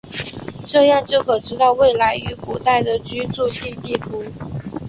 这样就可知道未来与古代的居住地地图。